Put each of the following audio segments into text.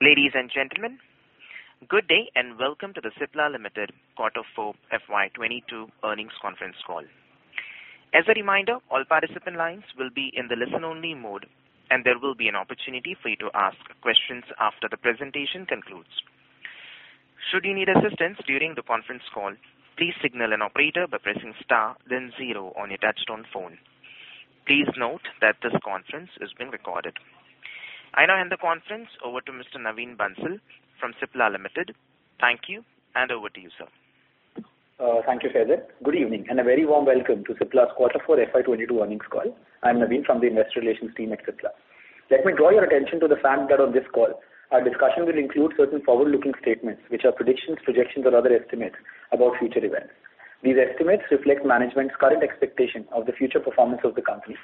Ladies and gentlemen, good day and welcome to the Cipla Limited Quarter four FY 2022 earnings conference call. As a reminder, all participant lines will be in the listen-only mode, and there will be an opportunity for you to ask questions after the presentation concludes. Should you need assistance during the conference call, please signal an operator by pressing star then zero on your touchtone phone. Please note that this conference is being recorded. I now hand the conference over to Mr. Naveen Bansal from Cipla Limited. Thank you, and over to you, sir. Thank you, Faizan. Good evening and a very warm welcome to Cipla's Quarter four FY 2022 earnings call. I'm Naveen from the investor relations team at Cipla. Let me draw your attention to the fact that on this call our discussion will include certain forward-looking statements, which are predictions, projections, or other estimates about future events. These estimates reflect management's current expectation of the future performance of the company.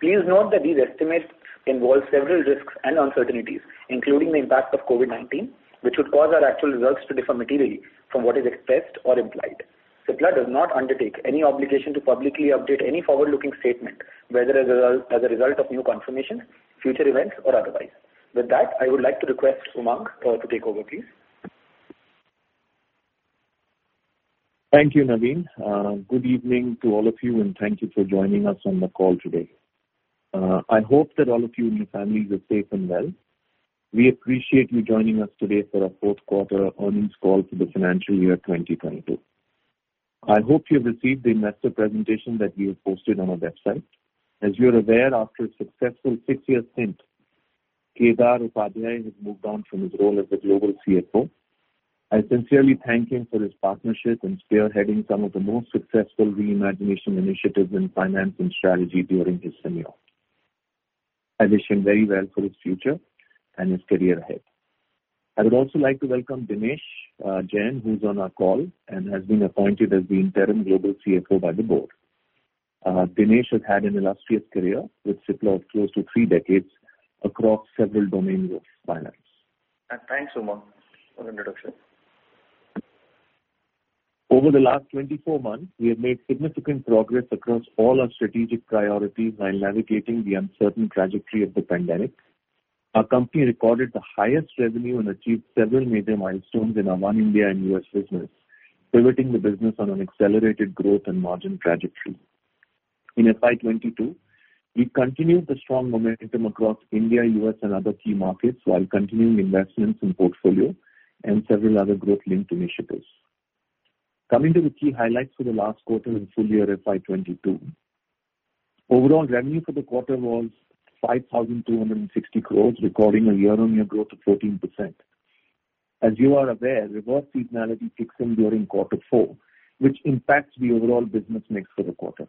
Please note that these estimates involve several risks and uncertainties, including the impact of COVID-19, which would cause our actual results to differ materially from what is expressed or implied. Cipla does not undertake any obligation to publicly update any forward-looking statement, whether as a result of new confirmations, future events, or otherwise. With that, I would like to request Umang to take over, please. Thank you, Naveen. Good evening to all of you, and thank you for joining us on the call today. I hope that all of you and your families are safe and well. We appreciate you joining us today for our fourth quarter earnings call for the financial year 2022. I hope you've received the investor presentation that we have posted on our website. As you're aware, after a successful six-year stint, Kedar Upadhye has moved on from his role as the Global CFO. I sincerely thank him for his partnership in spearheading some of the most successful reimagination initiatives in finance and strategy during his tenure. I wish him very well for his future and his career ahead. I would also like to welcome Dinesh Jain, who's on our call and has been appointed as the interim global CFO by the board. Dinesh has had an illustrious career with Cipla of close to three decades across several domain groups finance. Thanks, Umang, for introduction. Over the last 24 months, we have made significant progress across all our strategic priorities while navigating the uncertain trajectory of the pandemic. Our company recorded the highest revenue and achieved several major milestones in our One India and U.S. business, pivoting the business on an accelerated growth and margin trajectory. In FY 2022, we continued the strong momentum across India, U.S., and other key markets while continuing investments in portfolio and several other growth-linked initiatives. Coming to the key highlights for the last quarter and full year FY 2022. Overall revenue for the quarter was 5,260 crore, recording a year-on-year growth of 14%. As you are aware, reverse seasonality kicks in during quarter four, which impacts the overall business mix for the quarter.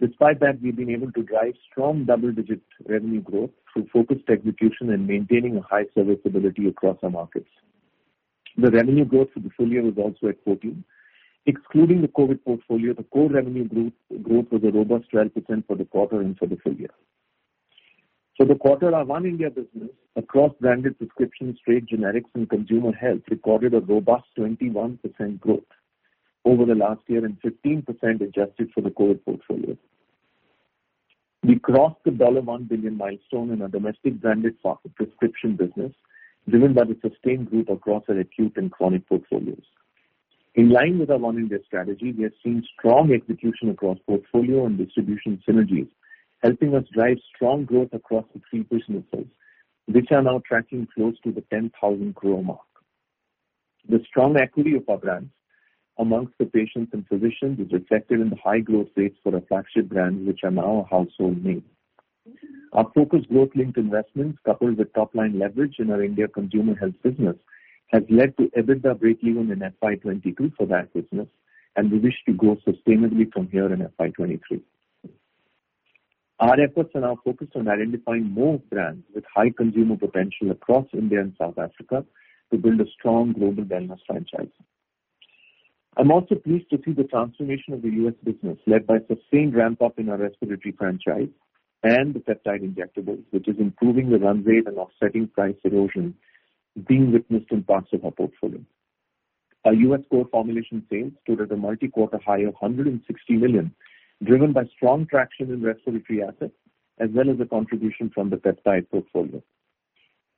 Despite that, we've been able to drive strong double-digit revenue growth through focused execution and maintaining a high serviceability across our markets. The revenue growth for the full year was also 14%. Excluding the COVID portfolio, the core revenue growth was a robust 12% for the quarter and for the full year. For the quarter, our One India business across branded prescriptions, trade generics, and consumer health recorded a robust 21% growth over the last year and 15% adjusted for the COVID portfolio. We crossed the $1 billion milestone in our domestic branded prescription business, driven by the sustained growth across our acute and chronic portfolios. In line with our One India strategy, we are seeing strong execution across portfolio and distribution synergies, helping us drive strong growth across the three businesses, which are now tracking close to the 10,000 crore mark. The strong equity of our brands among the patients and physicians is reflected in the high growth rates for our flagship brands, which are now a household name. Our focused growth-linked investments, coupled with top-line leverage in our India consumer health business, has led to EBITDA breakeven in FY 2022 for that business, and we wish to grow sustainably from here in FY 2023. Our efforts are now focused on identifying more brands with high consumer potential across India and South Africa to build a strong global wellness franchise. I'm also pleased to see the transformation of the U.S. business led by sustained ramp-up in our respiratory franchise and the peptide injectables, which is improving the runway and offsetting price erosion being witnessed in parts of our portfolio. Our US core formulation sales stood at a multi-quarter high of $160 million, driven by strong traction in respiratory assets as well as the contribution from the peptide portfolio.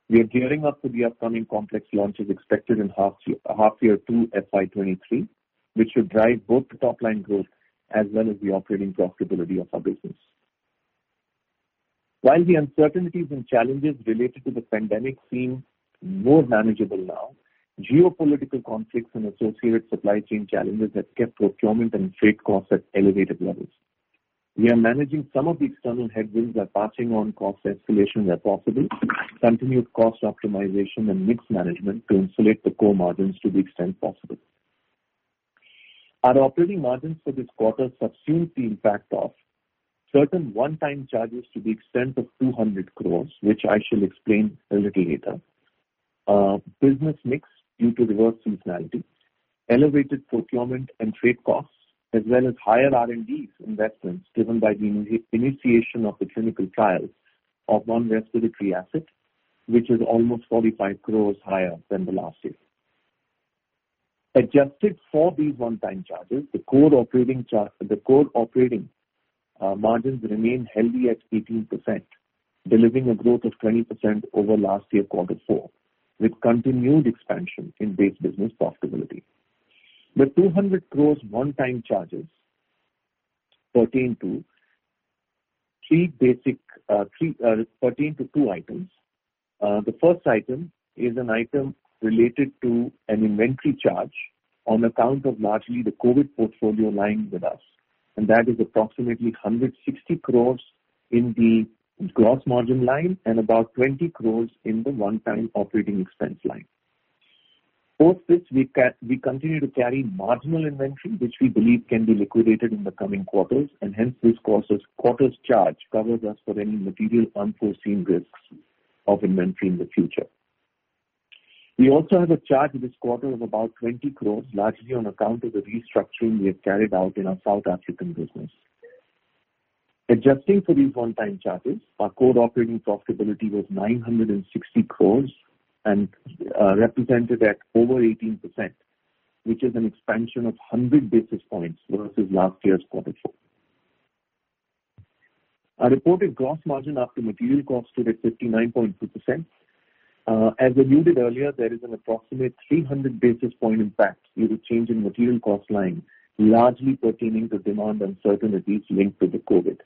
We are gearing up for the upcoming complex launches expected in H2 FY 2023, which should drive both the top-line growth as well as the operating profitability of our business. While the uncertainties and challenges related to the pandemic seem more manageable now, geopolitical conflicts and associated supply chain challenges have kept procurement and freight costs at elevated levels. We are managing some of the external headwinds by passing on cost escalations where possible, continued cost optimization and mix management to insulate the core margins to the extent possible. Our operating margins for this quarter subsumed the impact of certain one-time charges to the extent of 200 crore, which I shall explain a little later. Business mix due to reverse seasonality, elevated procurement and freight costs as well as higher R&D investments driven by the initiation of the clinical trials of one respiratory asset, which is almost 45 crore higher than the last year. Adjusted for these one-time charges, the core operating margins remain healthy at 18%, delivering a growth of 20% over last year quarter four, with continued expansion in base business profitability. The 200 crore one-time charges pertain to two items. The first item is an item related to an inventory charge on account of largely the COVID portfolio lying with us, and that is approximately 160 crore in the gross margin line and about 20 crore in the one-time operating expense line. Both which we continue to carry marginal inventory which we believe can be liquidated in the coming quarters, and hence this quarter's charge covers us for any material unforeseen risks of inventory in the future. We also have a charge this quarter of about 20 crore, largely on account of the restructuring we have carried out in our South African business. Adjusting for these one-time charges, our core operating profitability was 960 crore and represented at over 18%, which is an expansion of 100 basis points versus last year's quarter four. Our reported gross margin after material costs stood at 59.2%. As alluded earlier, there is an approximate 300 basis points impact due to change in material cost line, largely pertaining to demand uncertainties linked to the COVID,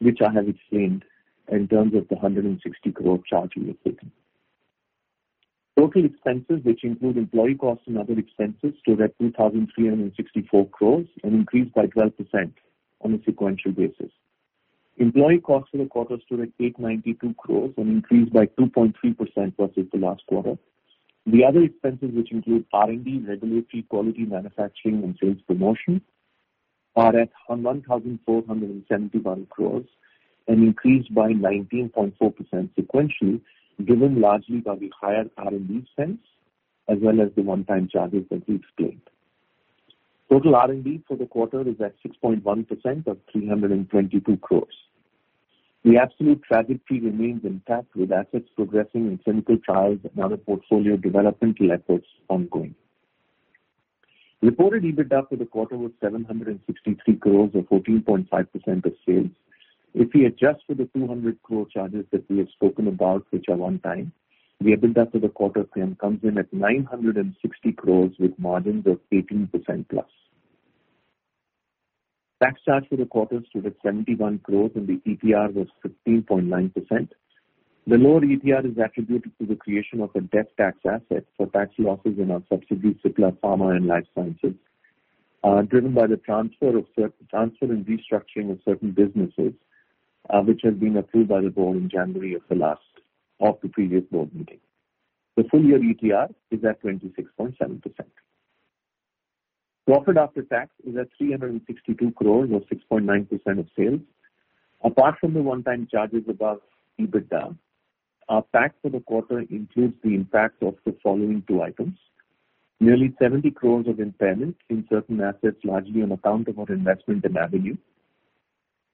which I have explained in terms of the 160 crore charge we have taken. Total expenses, which include employee costs and other expenses, stood at 2,364 crore and increased by 12% on a sequential basis. Employee costs for the quarter stood at 892 crore and increased by 2.3% versus the last quarter. The other expenses, which include R&D, regulatory, quality, manufacturing and sales promotion, are at 1,471 crore and increased by 19.4% sequentially, given largely by the higher R&D spends as well as the one-time charges that we explained. Total R&D for the quarter is at 6.1% of 322 crore. The absolute trajectory remains intact with assets progressing in clinical trials and other portfolio developmental efforts ongoing. Reported EBITDA for the quarter was 763 crores or 14.5% of sales. If we adjust for the 200 crore charges that we have spoken about, which are one time, the EBITDA for the quarter then comes in at 960 crore with margins of 18%+. Tax charge for the quarter stood at 71 crore and the ETR was 15.9%. The lower ETR is attributed to the creation of a deferred tax asset for tax losses in our subsidiary, Cipla Pharma and Life Sciences, driven by the transfer and restructuring of certain businesses, which has been approved by the board in January of the previous board meeting. The full year ETR is at 26.7%. Profit after tax is at 362 crore or 6.9% of sales. Apart from the one-time charges above EBITDA, our tax for the quarter includes the impact of the following two items. Nearly 70 crore of impairment in certain assets, largely on account of our investment in Avenue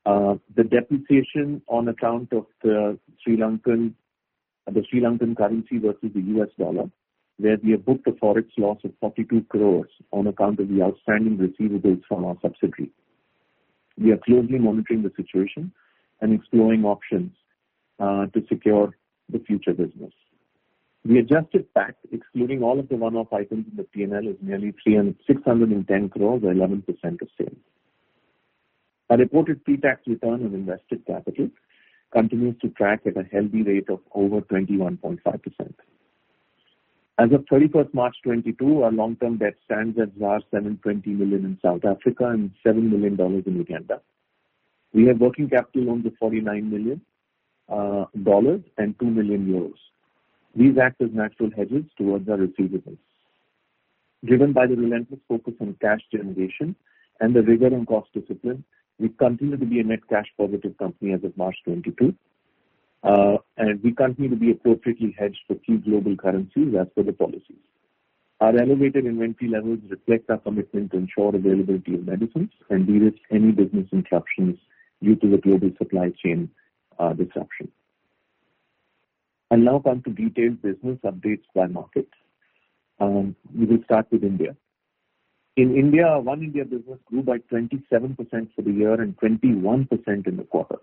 Therapeutics. The depreciation on account of the Sri Lankan currency versus the US dollar, where we have booked a Forex loss of 42 crore on account of the outstanding receivables from our subsidiary. We are closely monitoring the situation and exploring options to secure the future business. The adjusted tax, excluding all of the one-off items in the PNL, is nearly 610 crore or 11% of sales. Our reported pretax return on invested capital continues to track at a healthy rate of over 21.5%. As of 31st March 2022, our long-term debt stands at 720 million in South Africa and $7 million in Uganda. We have working capital loans of $49 million and 2 million euros. These act as natural hedges towards our receivables. Driven by the relentless focus on cash generation and the rigor and cost discipline, we continue to be a net cash positive company as of March 2022. We continue to be appropriately hedged for key global currencies as per the policies. Our elevated inventory levels reflect our commitment to ensure availability of medicines and de-risk any business interruptions due to the global supply chain disruption. I now come to detailed business updates by market. We will start with India. In India, our One India business grew by 27% for the year and 21% in the quarter.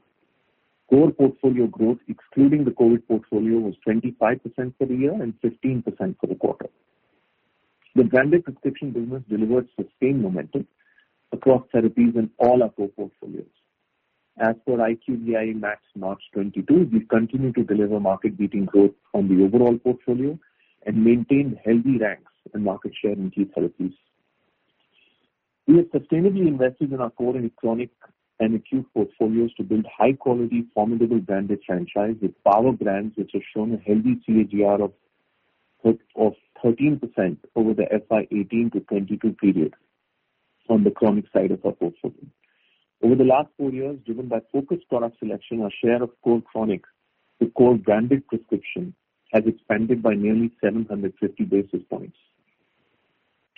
Core portfolio growth, excluding the COVID portfolio, was 25% for the year and 15% for the quarter. The branded prescription business delivered sustained momentum across therapies in all our core portfolios. As for IQVIA MAT March 2022, we continue to deliver market-leading growth on the overall portfolio and maintain healthy ranks and market share in key therapies. We have sustainably invested in our core and chronic and acute portfolios to build high quality, formidable branded franchise with power brands which have shown a healthy CAGR of 13% over the FY 2018-2022 period on the chronic side of our portfolio. Over the last four years, driven by focused product selection, our share of core chronic to core branded prescription has expanded by nearly 750 basis points.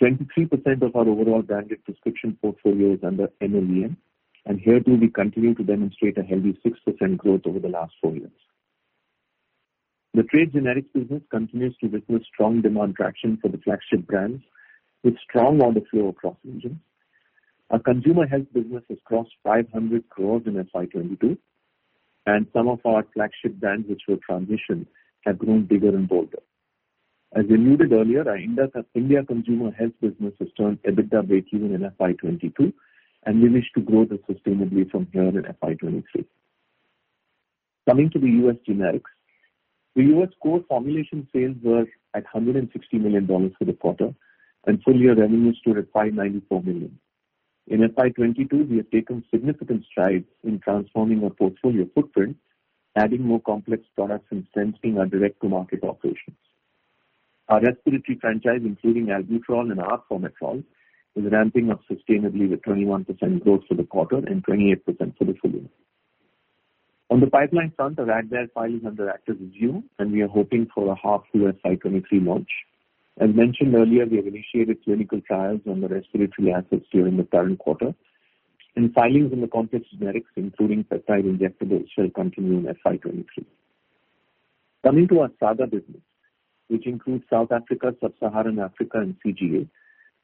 23% of our overall branded prescription portfolio is under NLEM, and here too we continue to demonstrate a healthy 6% growth over the last four years. The trade generics business continues to witness strong demand traction for the flagship brands with strong order flow across segments. Our consumer health business has crossed 500 crore in FY 2022, and some of our flagship brands which were transitioned have grown bigger and bolder. As we noted earlier, our India consumer health business has turned EBITDA breakeven in FY 2022, and we wish to grow that sustainably from here in FY 2023. Coming to the U.S. generics. The U.S. core formulation sales were at $160 million for the quarter, and full year revenue stood at $594 million. In FY 2022, we have taken significant strides in transforming our portfolio footprint, adding more complex products and strengthening our direct-to-market operations. Our respiratory franchise, including Albuterol and Arformoterol, is ramping up sustainably with 21% growth for the quarter and 28% for the full year. On the pipeline front, our Advair file is under active review, and we are hoping for a half U.S. cycle entry launch. As mentioned earlier, we have initiated clinical trials on the respiratory assets during the current quarter, and filings in the complex generics, including peptide injectables, shall continue in FY 2023. Coming to our SAGA business, which includes South Africa, Sub-Saharan Africa and CGA.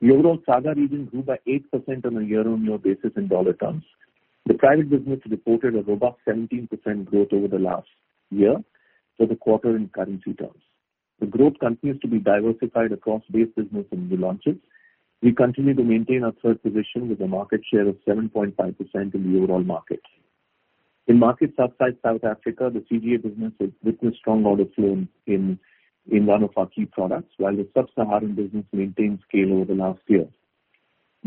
The overall SAGA region grew by 8% on a year-on-year basis in dollar terms. The private business reported a robust 17% growth over the last year for the quarter in currency terms. The growth continues to be diversified across base business and new launches. We continue to maintain our third position with a market share of 7.5% in the overall market. In markets outside South Africa, the CGA business has witnessed strong order flow in one of our key products, while the Sub-Saharan business maintained scale over the last year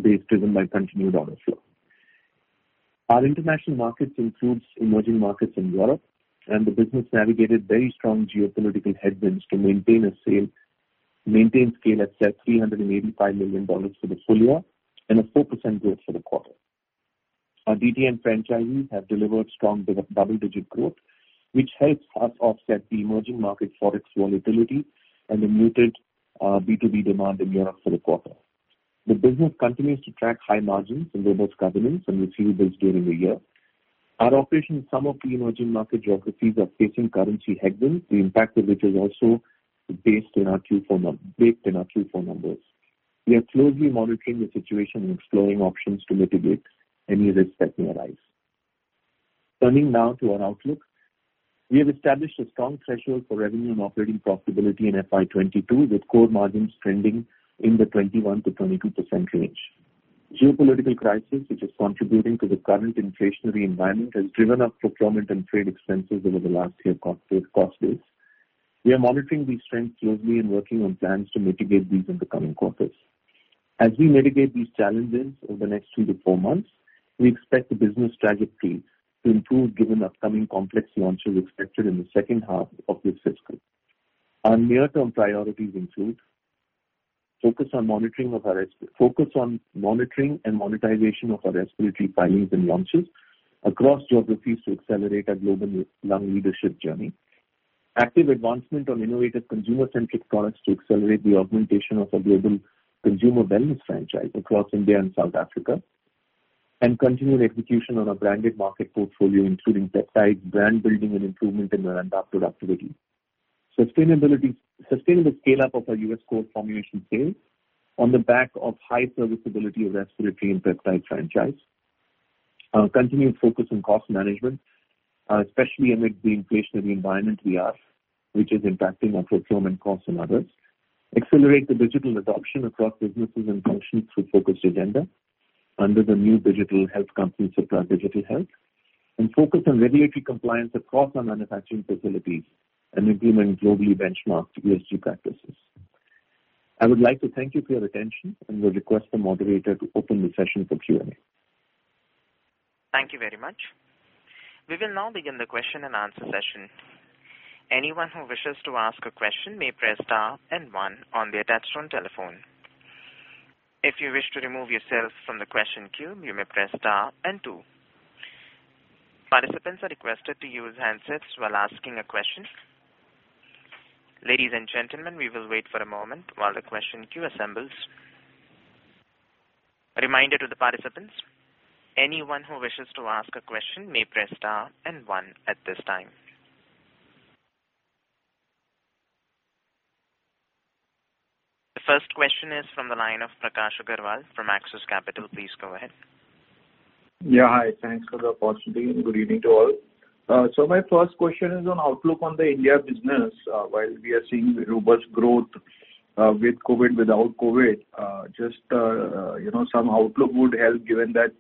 based driven by continued order flow. Our international markets includes emerging markets in Europe, and the business navigated very strong geopolitical headwinds to maintain scale at $385 million for the full year and 4% growth for the quarter. Our DTM franchisees have delivered strong double-digit growth, which helps us offset the emerging market Forex volatility and the muted B2B demand in Europe for the quarter. The business continues to track high margins and robust governance and receivables during the year. Our operations in some of the emerging market geographies are facing currency headwinds, the impact of which is also baked in our Q4 numbers. We are closely monitoring the situation and exploring options to mitigate any risks that may arise. Turning now to our outlook. We have established a strong threshold for revenue and operating profitability in FY 2022, with core margins trending in the 21%-22% range. Geopolitical crisis, which is contributing to the current inflationary environment, has driven up procurement and trade expenses over the last year, cost base. We are monitoring these trends closely and working on plans to mitigate these in the coming quarters. As we mitigate these challenges over the next two to four months, we expect the business trajectory to improve given upcoming complex launches expected in the second half of this fiscal. Our near-term priorities include focus on monitoring and monetization of our respiratory filings and launches across geographies to accelerate our global lung leadership journey. Active advancement on innovative consumer-centric products to accelerate the augmentation of our global consumer wellness franchise across India and South Africa. Continued execution on our branded market portfolio, including peptides, brand building and improvement in our end product activity. Sustainability. Sustainable scale-up of our U.S. core formulation sales on the back of high serviceability of respiratory and peptide franchise. Continued focus on cost management, especially amid the inflationary environment we are, which is impacting our procurement costs and others. Accelerate the digital adoption across businesses and functions through focused agenda under the new digital health company, Cipla Digital Health. Focus on regulatory compliance across our manufacturing facilities and implement globally benchmarked ESG practices. I would like to thank you for your attention and will request the moderator to open the session for Q&A. Thank you very much. We will now begin the question and answer session. Anyone who wishes to ask a question may press star and one on the attached phone telephone. If you wish to remove yourself from the question queue, you may press star and two. Participants are requested to use handsets while asking a question. Ladies and gentlemen, we will wait for a moment while the question queue assembles. A reminder to the participants, anyone who wishes to ask a question may press star and one at this time. The first question is from the line of Prakash Agarwal from Axis Capital. Please go ahead. Yeah. Hi. Thanks for the opportunity. Good evening to all. My first question is on outlook on the India business. While we are seeing robust growth, with COVID, without COVID, just, you know, some outlook would help given that,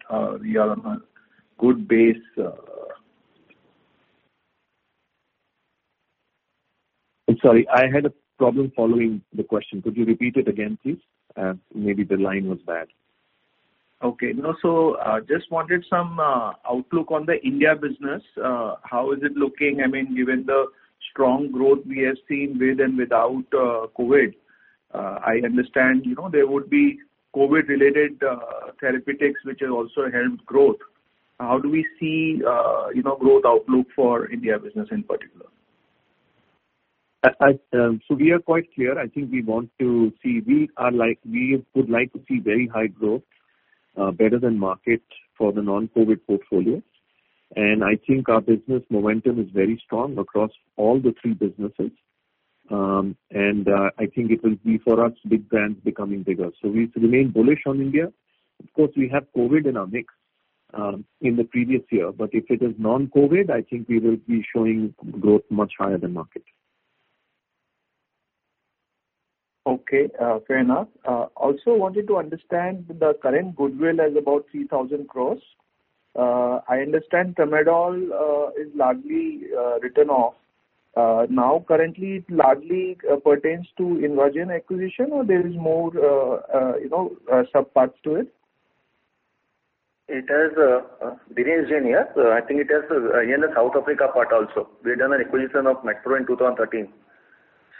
we are on a good base. I'm sorry. I had a problem following the question. Could you repeat it again, please? Maybe the line was bad. Just wanted some outlook on the India business. How is it looking? I mean, given the strong growth we have seen with and without COVID. I understand, you know, there would be COVID-related therapeutics which have also helped growth. How do we see, you know, growth outlook for India business in particular? We are quite clear. We are like, we would like to see very high growth, better than market for the non-COVID portfolio. I think our business momentum is very strong across all the three businesses. I think it will be for us big brands becoming bigger. We remain bullish on India. Of course, we have COVID in our mix, in the previous year, but if it is non-COVID, I think we will be showing growth much higher than market. Okay, fair enough. Also wanted to understand the current goodwill is about 3,000 crore. I understand Tramadol is largely written off. Now currently it largely pertains to InvaGen acquisition or there is more, you know, sub-parts to it? It has InvaGen, yeah. I think it has in the South Africa part also. We had done an acquisition of Medpro in 2013.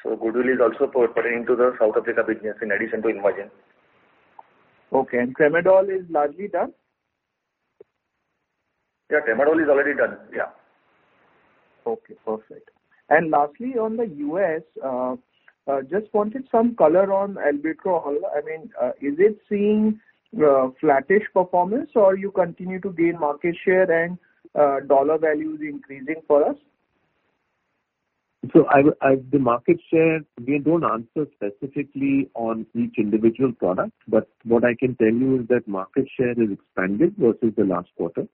So goodwill is also pertaining to the South Africa business in addition to InvaGen. Okay. Tramadol is largely done? Yeah, Tramadol is already done. Yeah. Okay, perfect. Lastly, on the U.S., just wanted some color on Albuterol. I mean, is it seeing flattish performance or you continue to gain market share and dollar value is increasing for us? The market share, we don't answer specifically on each individual product, but what I can tell you is that market share has expanded versus the last quarter.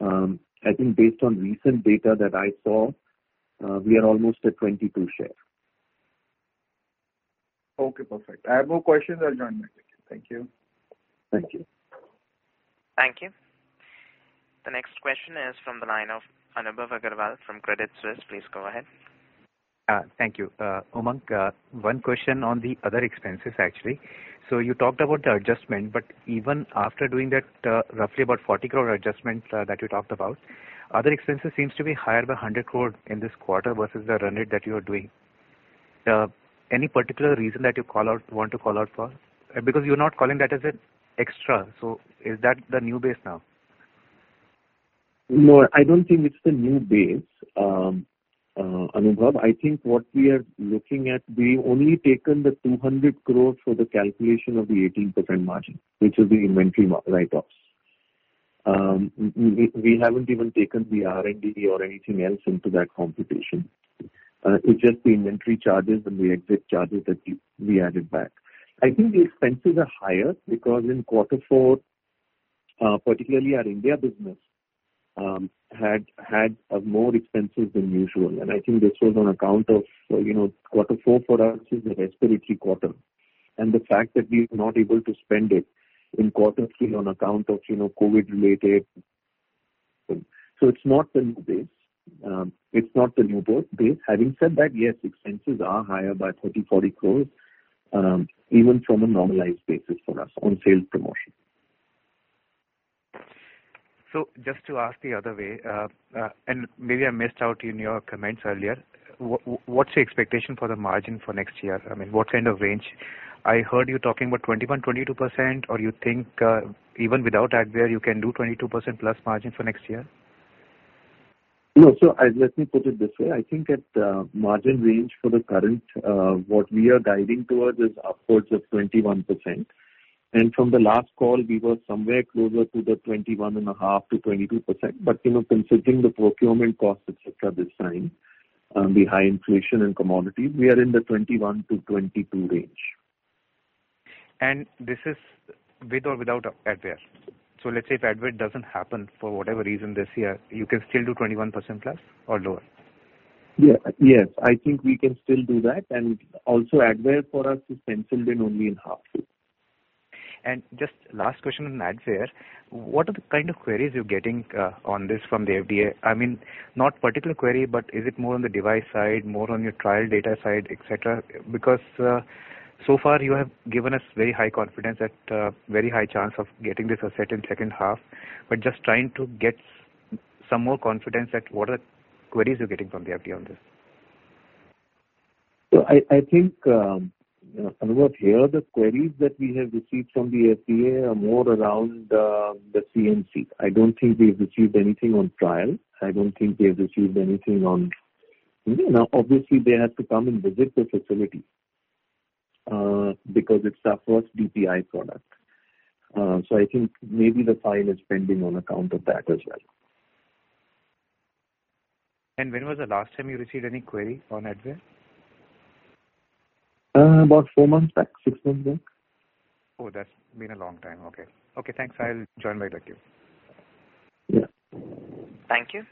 I think based on recent data that I saw, we are almost at 22% share. Okay, perfect. I have no questions. I'll join later. Thank you. Thank you. Thank you. The next question is from the line of Anubhav Aggarwal from Credit Suisse. Please go ahead. Thank you. Umang, one question on the other expenses actually. You talked about the adjustment, but even after doing that, roughly about 40 crore adjustment that you talked about, other expenses seems to be higher by 100 crore in this quarter versus the run rate that you are doing. Any particular reason that you want to call out for? Because you're not calling that as an extra, so is that the new base now? No, I don't think it's the new base. Anubhav, I think what we are looking at, we've only taken the 200 crore for the calculation of the 18% margin, which is the inventory write-offs. We haven't even taken the R&D or anything else into that computation. It's just the inventory charges and the exit charges that we added back. I think the expenses are higher because in quarter four, particularly our India business, had more expenses than usual. I think this was on account of, you know, quarter four for us is a respiratory quarter. The fact that we're not able to spend it in quarter three on account of, you know, COVID-related. It's not the new base. It's not the new base. Having said that, yes, expenses are higher by 30-40 crore, even from a normalized basis for us on sales promotion. Just to ask the other way, and maybe I missed out in your comments earlier. What's the expectation for the margin for next year? I mean, what kind of range? I heard you talking about 21%-22%, or you think even without Advair you can do 22%+ margin for next year? No. Let me put it this way. I think at margin range for the current what we are guiding towards is upwards of 21%. From the last call we were somewhere closer to the 21.5%-22%. You know, considering the procurement cost, et cetera, this time the high inflation and commodity, we are in the 21%-22% range. This is with or without Advair? Let's say if Advair doesn't happen for whatever reason this year, you can still do 21%+ or lower? Yeah. Yes, I think we can still do that. Also Advair for us is penciled in only in half. Just last question on Advair. What are the kind of queries you're getting on this from the FDA? I mean, not particular query, but is it more on the device side, more on your trial data side, et cetera? Because so far you have given us very high confidence that very high chance of getting this asset in second half, but just trying to get some more confidence that what are queries you're getting from the FDA on this. I think you know, Anubhav, here the queries that we have received from the FDA are more around the CMC. I don't think we've received anything on trial. Obviously they have to come and visit the facility because it's our first DPI product. I think maybe the file is pending on account of that as well. When was the last time you received any query on Advair? About four months back, six months back. Oh, that's been a long time. Okay. Okay, thanks. I'll join later. Thank you. Yeah. Thank you.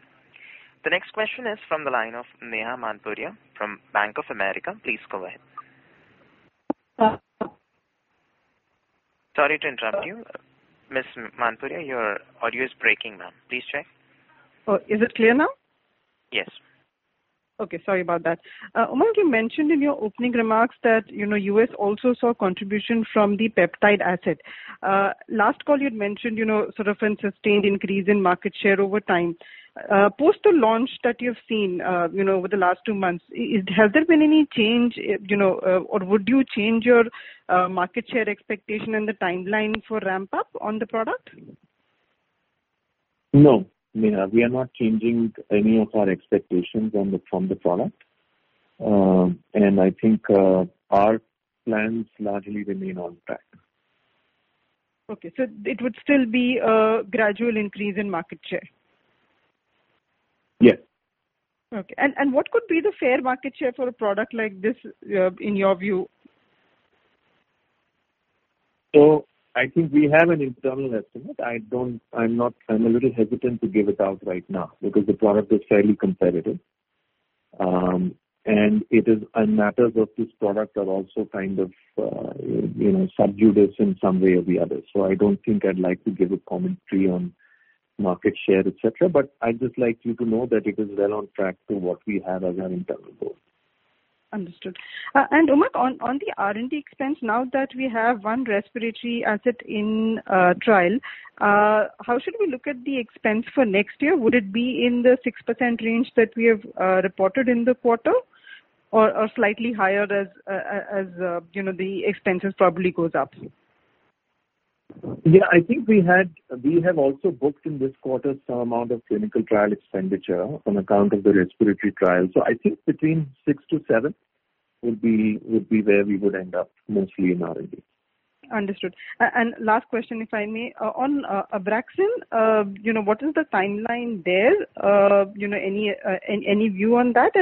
The next question is from the line of Neha Manpuria from Bank of America. Please go ahead. Sorry to interrupt you. Ms. Manpuria, your audio is breaking, ma'am. Please check. Oh, is it clear now? Yes. Okay. Sorry about that. Umang, you mentioned in your opening remarks that, you know, U.S. also saw contribution from the peptide asset. Last call you had mentioned, you know, sort of a sustained increase in market share over time. Post the launch that you've seen, you know, over the last two months, has there been any change, you know, or would you change your market share expectation and the timeline for ramp up on the product? No, Neha, we are not changing any of our expectations from the product. I think our plans largely remain on track. Okay. It would still be a gradual increase in market share? Yes. Okay. What could be the fair market share for a product like this, in your view? I think we have an internal estimate. I'm a little hesitant to give it out right now because the product is fairly competitive. Matters of this product are also kind of, you know, subjugated in some way or the other. I don't think I'd like to give a commentary on market share, et cetera, but I'd just like you to know that it is well on track to what we have as our internal goal. Understood. Umang, on the R&D expense, now that we have one respiratory asset in trial, how should we look at the expense for next year? Would it be in the 6% range that we have reported in the quarter or slightly higher as you know, the expenses probably goes up? I think we have also booked in this quarter some amount of clinical trial expenditure on account of the respiratory trial. I think between 6%-7% would be where we would end up mostly in R&D. Understood. Last question, if I may. On Abraxane, you know, what is the timeline there? You know, any view on that?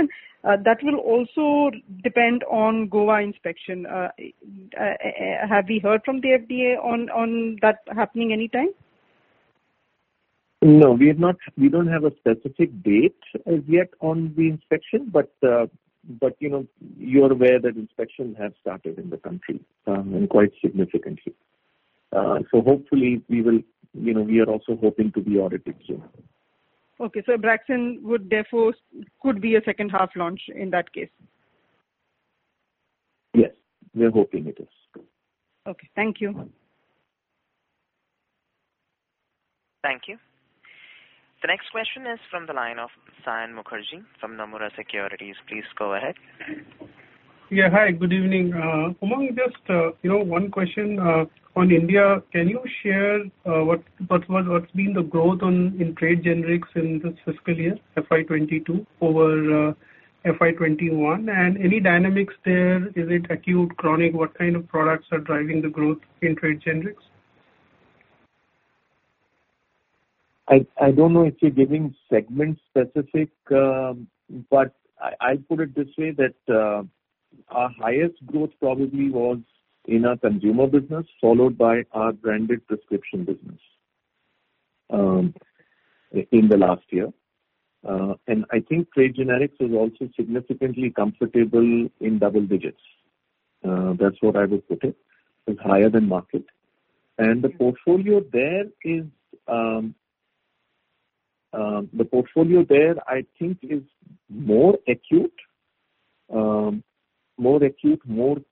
That will also depend on Goa inspection. Have we heard from the FDA on that happening anytime? No. We have not. We don't have a specific date as yet on the inspection. You know, you're aware that inspections have started in the country, and quite significantly. Hopefully we will, you know, we are also hoping to be audited soon. Abraxane would therefore could be a second half launch in that case. Yes. We're hoping it is. Okay. Thank you. Thank you. The next question is from the line of Saion Mukherjee from Nomura Securities. Please go ahead. Yeah. Hi, good evening. Umang, just, you know, one question on India. Can you share what's been the growth in trade generics in this fiscal year, FY 2022 over FY 2021? And any dynamics there, is it acute, chronic? What kind of products are driving the growth in trade generics? I don't know if you're giving segment specific, but I'll put it this way, our highest growth probably was in our consumer business, followed by our branded prescription business, in the last year. I think trade generics is also significantly comfortably in double digits. That's how I would put it. It's higher than market. The portfolio there I think is more acute, more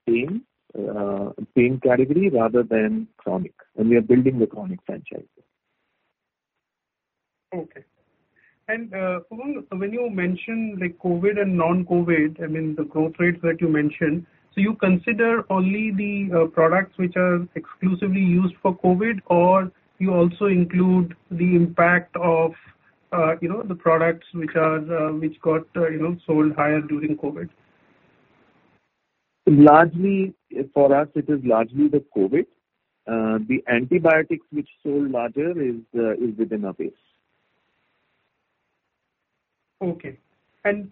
pain category rather than chronic. We are building the chronic franchise. Okay. Umang, when you mention like COVID and non-COVID, I mean, the growth rates that you mentioned, so you consider only the products which are exclusively used for COVID, or you also include the impact of, you know, the products which got, you know, sold higher during COVID? Largely, for us it is largely the COVID. The antibiotics which sold largely is within our base. Okay.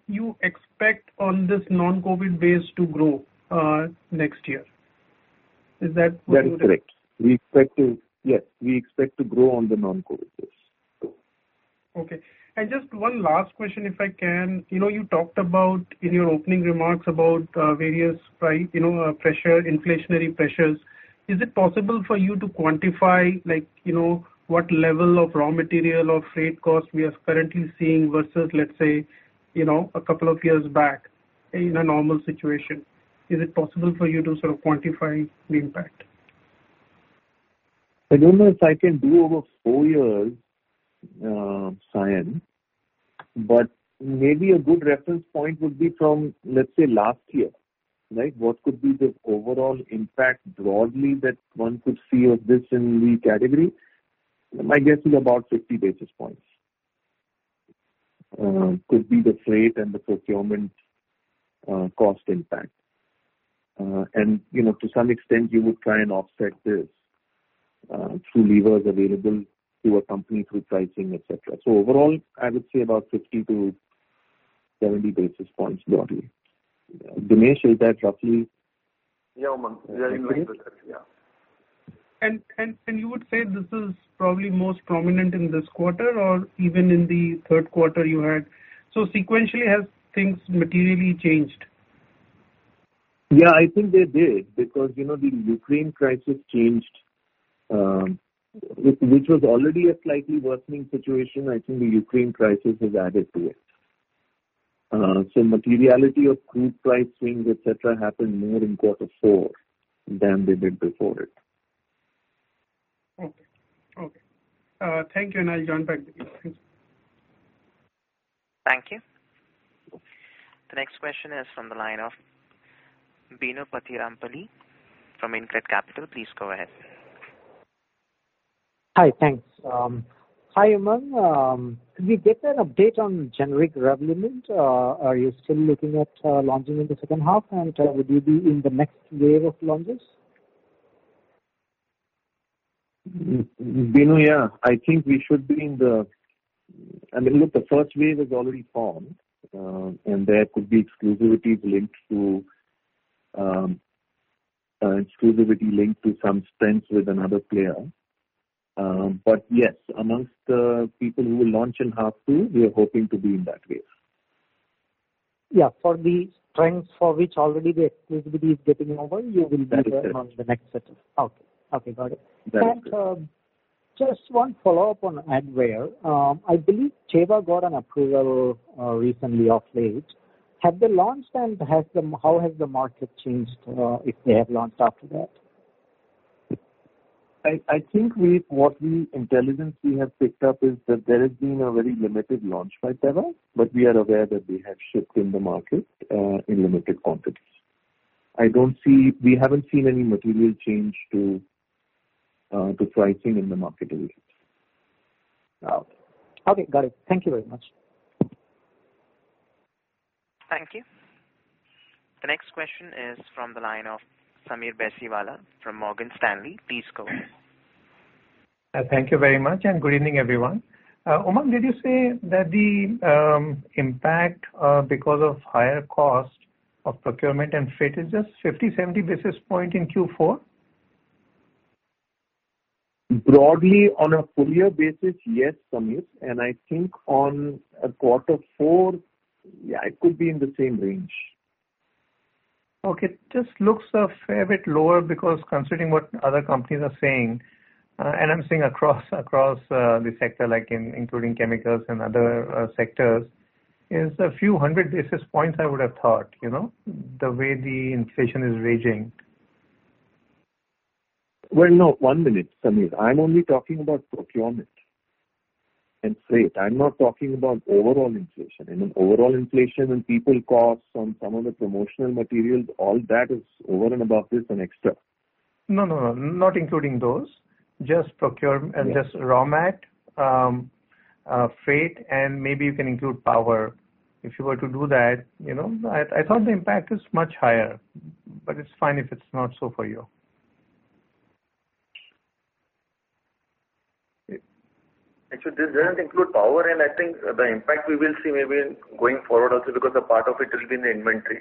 You expect on this non-COVID base to grow next year. Is that what you? That's correct. We expect to grow on the non-COVID base. Okay. Just one last question, if I can. You know, you talked about in your opening remarks about various pressure, inflationary pressures. Is it possible for you to quantify like, you know, what level of raw material or freight cost we are currently seeing versus, let's say, you know, a couple of years back in a normal situation? Is it possible for you to sort of quantify the impact? I don't know if I can do over four years, Saion, but maybe a good reference point would be from, let's say, last year, right? What could be the overall impact broadly that one could see of this in the category? My guess is about 50 basis points, could be the freight and the procurement cost impact. You know, to some extent, you would try and offset this through levers available to a company through pricing, et cetera. So overall, I would say about 50-70 basis points broadly. Dinesh, is that roughly. Yeah, Umang. Yeah, you might be correct. Yeah. You would say this is probably most prominent in this quarter or even in the third quarter. Sequentially, have things materially changed? Yeah, I think they did because, you know, the Ukraine crisis changed, which was already a slightly worsening situation. I think the Ukraine crisis has added to it. Materiality of crude price swings, et cetera, happened more in quarter four than they did before it. Okay, thank you. I'll join back with you. Thanks. Thank you. The next question is from the line of Bino Pathiparampil from InCred Capital. Please go ahead. Hi. Thanks. Hi, Umang. Could we get an update on generic Revlimid? Are you still looking at launching in the second half, and would you be in the next wave of launches? Bino, yeah. I think we should be in the, I mean, look, the first wave has already formed, and there could be exclusivity linked to some strengths with another player. Yes, among the people who will launch in half two, we are hoping to be in that wave. Yeah. For the strengths for which already the exclusivity is getting over, you will be. That is it. Okay. Got it. That is it. Just one follow-up on Advair. I believe Teva got an approval recently of late. Have they launched and how has the market changed, if they have launched after that? I think the intelligence we have picked up is that there has been a very limited launch by Teva, but we are aware that they have shipped in the market, in limited quantities. I don't see. We haven't seen any material change to pricing in the market anyways. Okay. Got it. Thank you very much. Thank you. The next question is from the line of Sameer Baisiwala from Morgan Stanley. Please go ahead. Thank you very much, and good evening, everyone. Umang, did you say that the impact because of higher cost of procurement and freight is just 50-70 basis points in Q4? Broadly on a full year basis, yes, Sameer, and I think on a quarter four, yeah, it could be in the same range. Okay. Just looks a fair bit lower because considering what other companies are saying, and I'm saying across the sector like including chemicals and other sectors, is a few hundred basis points I would have thought, you know, the way the inflation is raging. Well, no. One minute, Sameer. I'm only talking about procurement and freight. I'm not talking about overall inflation. You know, overall inflation and people costs on some of the promotional materials, all that is over and above this and extra. No, no. Not including those. Just raw mat, freight, and maybe you can include power. If you were to do that, you know, I thought the impact is much higher, but it's fine if it's not so for you. Actually, this doesn't include power, and I think the impact we will see maybe going forward also because a part of it will be in the inventory.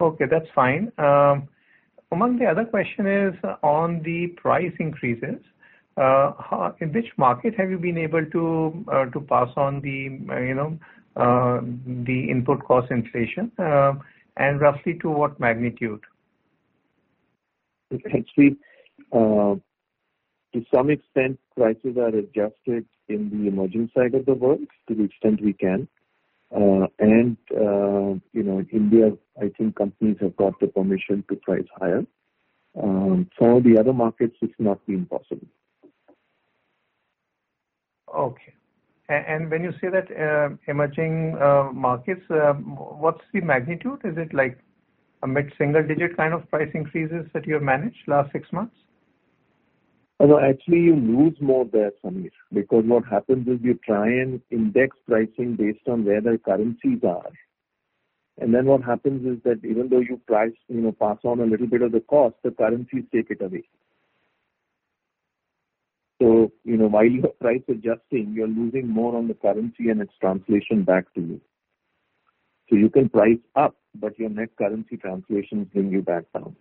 Okay, that's fine. Umang, the other question is on the price increases. In which market have you been able to pass on the, you know, the input cost inflation, and roughly to what magnitude? Actually, to some extent prices are adjusted in the emerging side of the world to the extent we can. You know, in India, I think companies have got the permission to price higher. For the other markets it's not been possible. Okay. When you say that, emerging markets, what's the magnitude? Is it like a mid-single digit kind of price increases that you have managed last six months? No, actually, you lose more there, Sameer. Because what happens is you try and index pricing based on where the currencies are. Then what happens is that even though you price, you know, pass on a little bit of the cost, the currencies take it away. You know, while you are price adjusting, you're losing more on the currency and its translation back to you. You can price up, but your net currency translations bring you back down.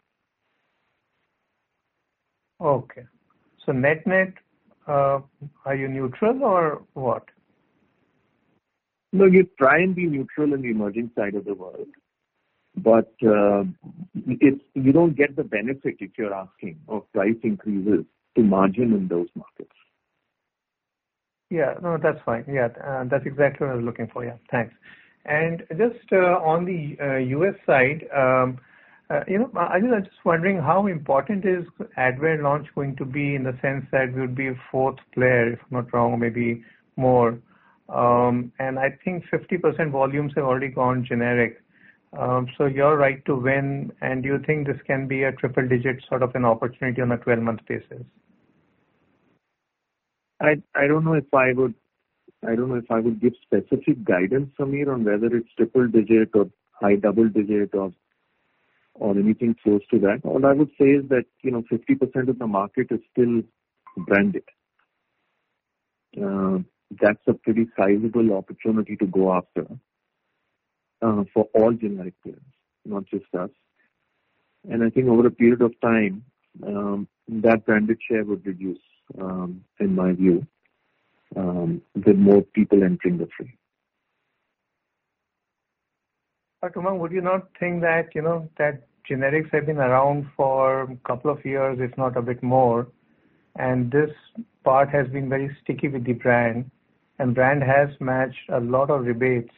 Okay. Net-net, are you neutral or what? No, you try and be neutral in the emerging side of the world, but it's you don't get the benefit that you're asking of price increases to margin in those markets. Yeah. No, that's fine. Yeah. That's exactly what I was looking for. Yeah. Thanks. Just on the U.S. side, you know, I was just wondering how important is Advair launch going to be in the sense that you'd be a fourth player, if I'm not wrong, maybe more. I think 50% volumes have already gone generic, so your right to win, and do you think this can be a triple-digit sort of an opportunity on a twelve-month basis? I don't know if I would give specific guidance, Sameer, on whether it's triple digit or high double digit or anything close to that. All I would say is that, you know, 50% of the market is still branded. That's a pretty sizable opportunity to go after for all generic players, not just us. I think over a period of time, that branded share would reduce, in my view, with more people entering the frame. Umang, would you not think that, you know, that generics have been around for couple of years, if not a bit more, and this part has been very sticky with the brand, and brand has matched a lot of rebates?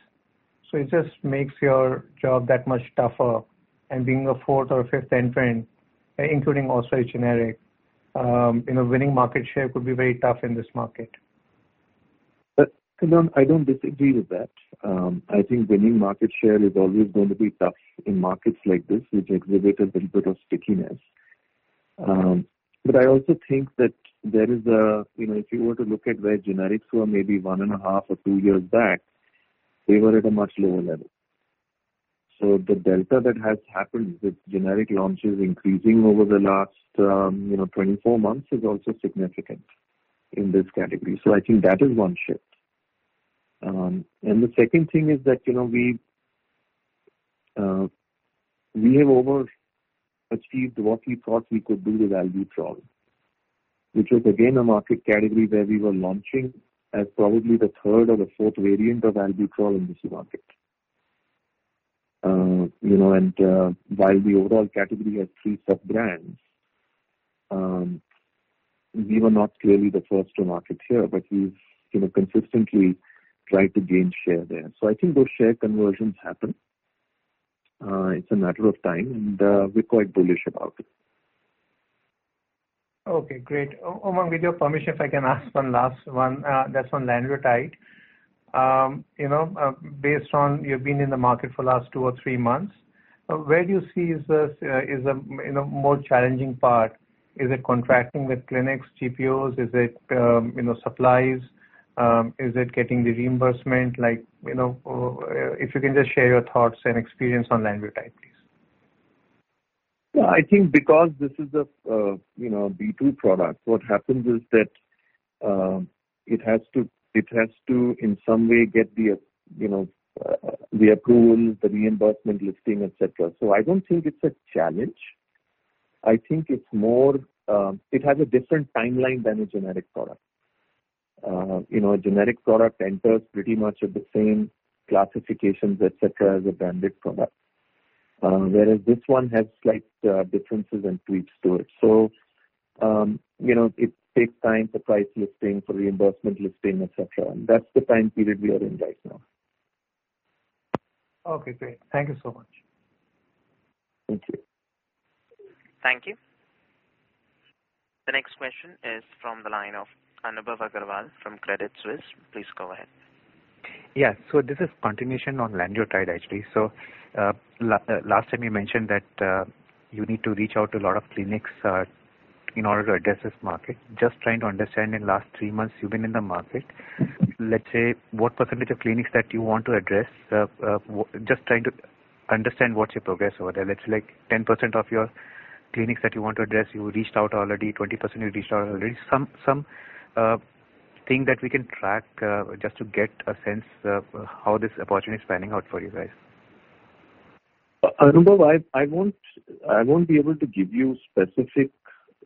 It just makes your job that much tougher and being a fourth or fifth entrant, including also a generic, you know, winning market share could be very tough in this market. Kunal, I don't disagree with that. I think winning market share is always going to be tough in markets like this, which exhibit a little bit of stickiness. I also think that there is. You know, if you were to look at where generics were maybe one and a half or two years back, they were at a much lower level. So the delta that has happened with generic launches increasing over the last, you know, 24 months is also significant in this category. So I think that is one shift. The second thing is that, you know, we have overachieved what we thought we could do with Albuterol, which was again a market category where we were launching as probably the third or fourth variant of Albuterol in this market. You know, while the overall category had three sub-brands, we were not clearly the first to market share, but we've, you know, consistently tried to gain share there. I think those share conversions happen. It's a matter of time, and we're quite bullish about it. Okay, great. Umang, with your permission, if I can ask one last one, that's on lanreotide. You know, based on you've been in the market for the last two or three months, where do you see is this, you know, more challenging part? Is it contracting with clinics, GPOs? Is it, you know, supplies? Is it getting the reimbursement like, you know. If you can just share your thoughts and experience on lanreotide, please. Yeah, I think because this is a B2 product, what happens is that it has to, in some way, get the approval, the reimbursement listing, et cetera. I don't think it's a challenge. I think it's more. It has a different timeline than a generic product. You know, a generic product enters pretty much at the same classifications, et cetera, as a branded product. Whereas this one has slight differences and tweaks to it. You know, it takes time for price listing, for reimbursement listing, et cetera, and that's the time period we are in right now. Okay, great. Thank you so much. Thank you. Thank you. The next question is from the line of Anubhav Aggarwal from Credit Suisse. Please go ahead. Yeah. This is continuation on lanreotide, actually. Last time you mentioned that you need to reach out to a lot of clinics in order to address this market. Just trying to understand in last 3 months you've been in the market, let's say, what percentage of clinics that you want to address. Just trying to understand what's your progress over there. Let's like 10% of your clinics that you want to address, you reached out already, 20% you reached out already. Something that we can track, just to get a sense of how this opportunity is panning out for you guys. Anubhav, I won't be able to give you specific.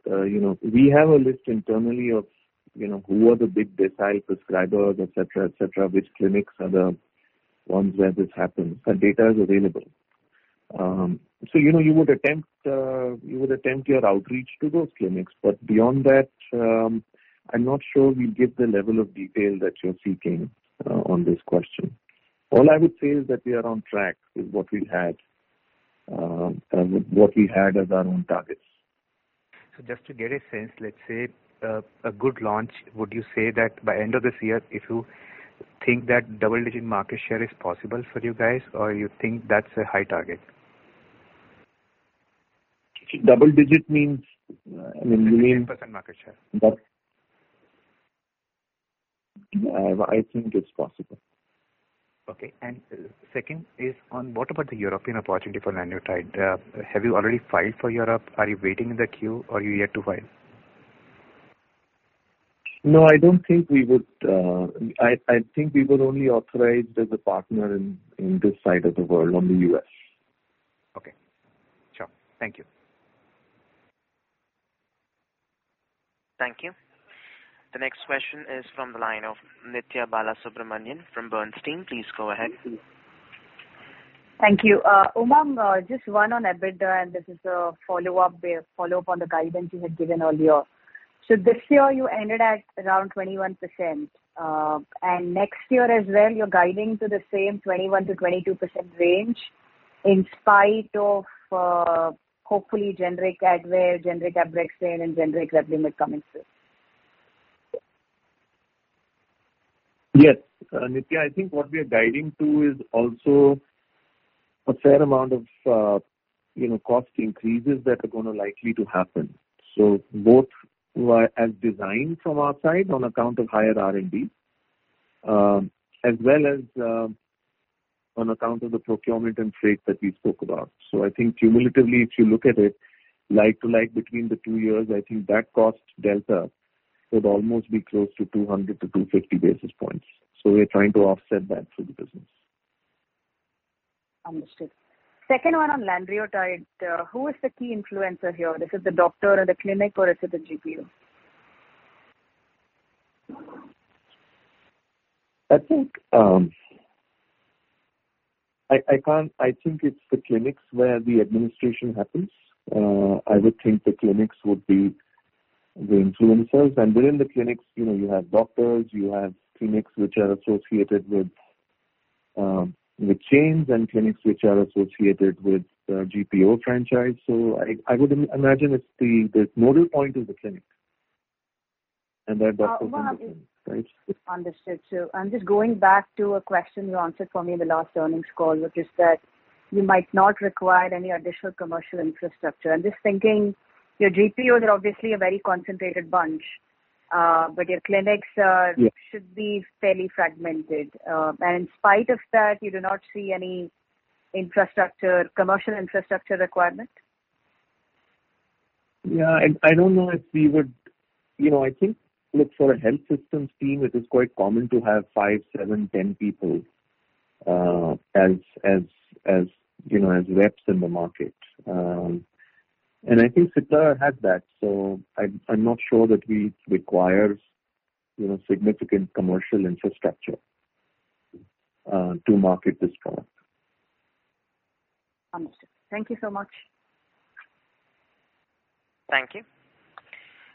We have a list internally of who are the big DESI prescribers, et cetera, which clinics are the ones where this happens. That data is available. You would attempt your outreach to those clinics. Beyond that, I'm not sure we'll give the level of detail that you're seeking on this question. All I would say is that we are on track with what we had as our own targets. Just to get a sense, let's say, a good launch, would you say that by end of this year, if you think that double-digit market share is possible for you guys, or you think that's a high target? Double-digit means, I mean. 10% market share. I think it's possible. Okay. Second is, what about the European opportunity for lanreotide? Have you already filed for Europe? Are you waiting in the queue or are you yet to file? No, I don't think we would. I think we were only authorized as a partner in this side of the world, only U.S. Okay. Sure. Thank you. Thank you. The next question is from the line of Nithya Balasubramanian from Bernstein. Please go ahead. Thank you. Umang, just one on EBITDA, and this is a follow-up on the guidance you had given earlier. This year, you ended at around 21%. Next year as well, you're guiding to the same 21%-22% range in spite of, hopefully generic Advair, generic Abraxane and generic Revlimid coming through. Yes. Nithya, I think what we are guiding to is also a fair amount of, you know, cost increases that are gonna likely to happen. Both via as designed from our side on account of higher R&D, as well as, on account of the procurement and freight that we spoke about. I think cumulatively, if you look at it like to like between the two years, I think that cost delta would almost be close to 200-250 basis points. We're trying to offset that through the business. Understood. Second one on lanreotide. Who is the key influencer here? Is it the doctor or the clinic or is it the GPO? I think it's the clinics where the administration happens. I would think the clinics would be the influencers. Within the clinics, you know, you have doctors, you have clinics which are associated with chains and clinics which are associated with, GPO franchise. I would imagine it's the nodal point is the clinic, and then doctors. Uh, well. Right. Understood, sir. I'm just going back to a question you answered for me in the last earnings call, which is that you might not require any additional commercial infrastructure. I'm just thinking your GPOs are obviously a very concentrated bunch, but your clinics are. Yes. Should be fairly fragmented. In spite of that, you do not see any infrastructure, commercial infrastructure requirement? I don't know if we would. You know, I think, look, for a health systems team, it is quite common to have five, seven, 10 people as reps in the market. I think Cipla has that, so I'm not sure that we require significant commercial infrastructure to market this product. Understood. Thank you so much. Thank you.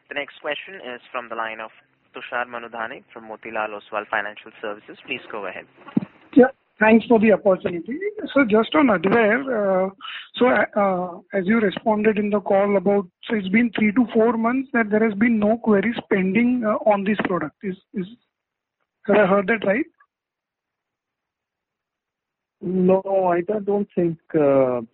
The next question is from the line of Tushar Manudhane from Motilal Oswal Financial Services. Please go ahead. Yeah, thanks for the opportunity. Just on Advair, as you responded in the call about. It's been three to four months that there has been no queries pending on this product. Have I heard that right? No, I don't think. Look,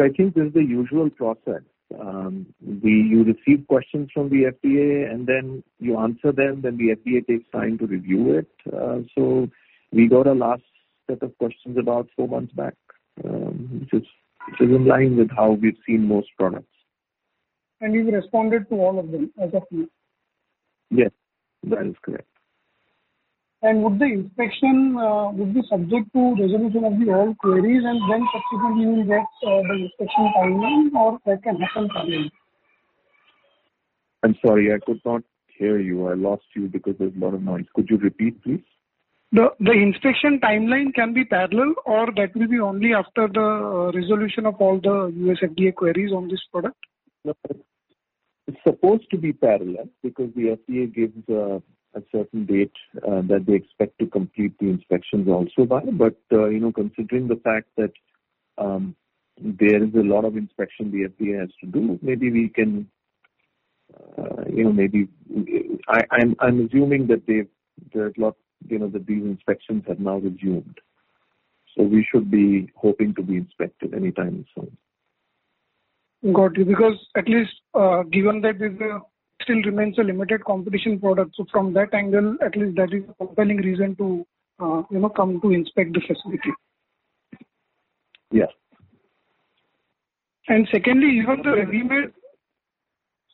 I think this is the usual process. You receive questions from the FDA and then you answer them, then the FDA takes time to review it. We got a last set of questions about four months back, which is in line with how we've seen most products. You've responded to all of them as of now? Yes, that is correct. Would the inspection be subject to resolution of the old queries and then subsequently you will get the inspection timeline or that can happen parallel? I'm sorry, I could not hear you. I lost you because there's a lot of noise. Could you repeat, please? The inspection timeline can be parallel or that will be only after the resolution of all the U.S. FDA queries on this product? It's supposed to be parallel because the FDA gives a certain date that they expect to complete the inspections also by. You know, considering the fact that there is a lot of inspection the FDA has to do, maybe we can, you know, maybe I'm assuming that they've, you know, that these inspections have now resumed, so we should be hoping to be inspected anytime soon. Got you. Because at least, given that this still remains a limited competition product, so from that angle at least that is a compelling reason to, you know, come to inspect the facility. Yes. Secondly, even the Revlimid.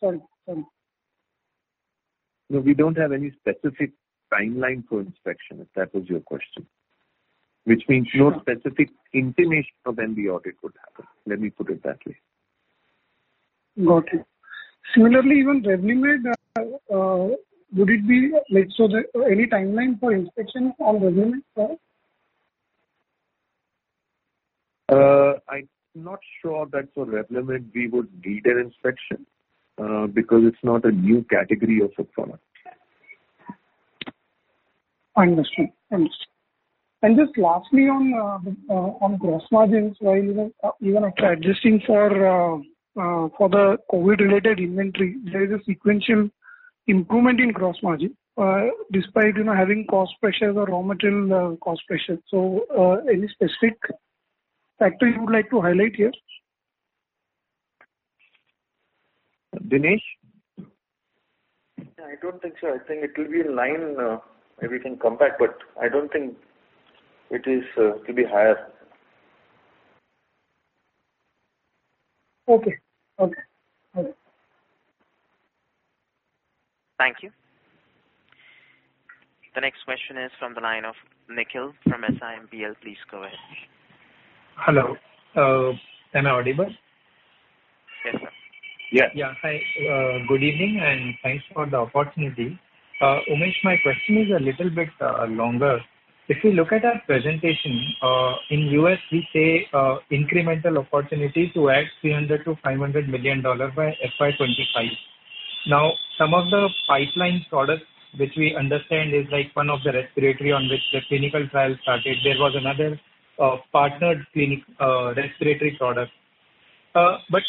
Sorry. No, we don't have any specific timeline for inspection, if that was your question. Which means no specific intimation of when the audit would happen. Let me put it that way. Got it. Similarly, even Revlimid, like, any timeline for inspection of Revlimid as well? I'm not sure that for Revlimid we would need an inspection, because it's not a new category of the product. I understand. Understood. Just lastly on gross margins, while you were adjusting for the COVID related inventory, there is a sequential improvement in gross margin, despite having cost pressures or raw material cost pressures. Any specific factor you would like to highlight here? Dinesh? Yeah, I don't think so. I think it will be in line, everything compared, but I don't think it is to be higher. Okay. All right. Thank you. The next question is from the line of Nikhil from SiMPL. Please go ahead. Hello. Am I audible? Yes, sir. Yeah. Yeah. Hi. Good evening and thanks for the opportunity. Umang, my question is a little bit longer. If you look at our presentation, in U.S. we say, incremental opportunity to add $300 million-$500 million by FY 2025. Now, some of the pipeline products which we understand is like one of the respiratory on which the clinical trial started, there was another, partnered clinic, respiratory product. But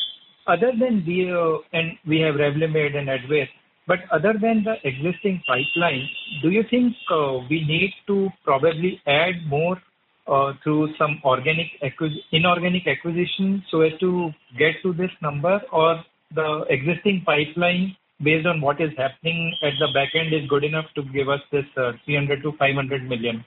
other than VO, and we have Revlimid and Advair, but other than the existing pipeline, do you think, we need to probably add more, through some organic inorganic acquisition so as to get to this number? Or the existing pipeline based on what is happening at the back end is good enough to give us this, $300 million-$500 million?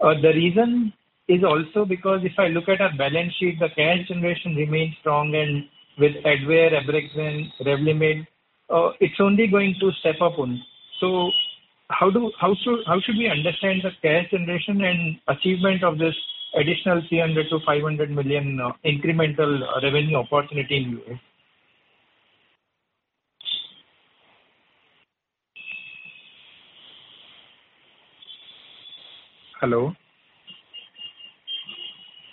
The reason is also because if I look at our balance sheet, the cash generation remains strong and with Advair, Abraxane, Revlimid, it's only going to step up only. How should we understand the cash generation and achievement of this additional $300 million-$500 million incremental revenue opportunity in U.S.? Hello.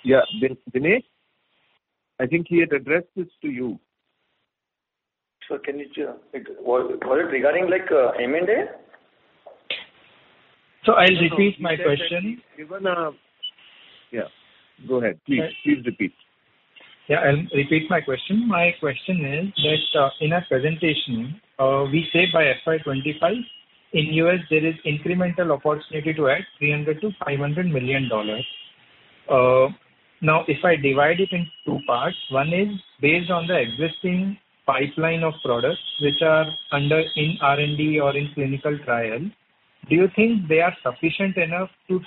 Yeah, Dinesh, I think he had addressed this to you. Sir, can you, like, was it regarding, like, M&A? I'll repeat my question. Yeah, go ahead, please. Please repeat. Yeah, I'll repeat my question. My question is that, in our presentation, we say by FY 2025, in U.S. there is incremental opportunity to add $300 million-$500 million. Now, if I divide it in two parts, one is based on the existing pipeline of products which are under in R&D or in clinical trial, do you think they are sufficient enough to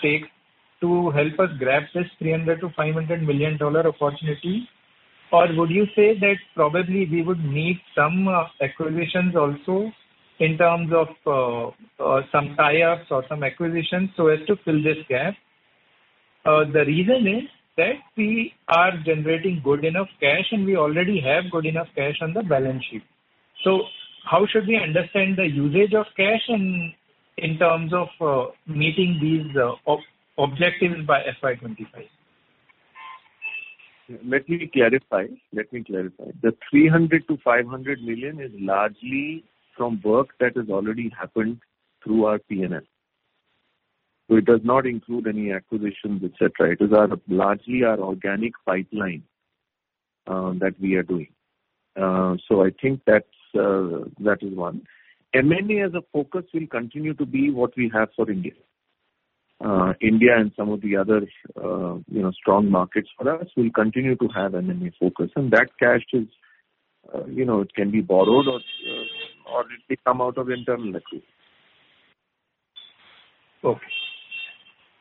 help us grab this $300 million-$500 million opportunity? Or would you say that probably we would need some acquisitions also in terms of some tie-ups or some acquisitions so as to fill this gap? The reason is that we are generating good enough cash, and we already have good enough cash on the balance sheet. How should we understand the usage of cash in terms of meeting these objectives by FY 2025? Let me clarify. The 300 million-500 million is largely from work that has already happened through our P&L. It does not include any acquisitions, et cetera. It is our, largely our organic pipeline that we are doing. I think that's, that is one. M&A as a focus will continue to be what we have for India. India and some of the other, you know, strong markets for us will continue to have M&A focus. That cash is, you know, it can be borrowed or it may come out of internal accrual.